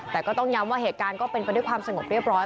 แต่ก็ต้องย้ำว่าเหตุการณ์ก็เป็นไปด้วยความสงบเรียบร้อย